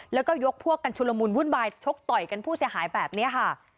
แล้วก็ยกพวกกันชุลมุนวุ่นวายชกต่อยกันผู้เสียหายแบบนี้ค่ะ